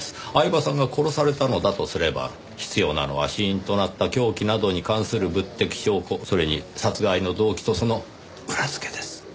饗庭さんが殺されたのだとすれば必要なのは死因となった凶器などに関する物的証拠それに殺害の動機とその裏付けです。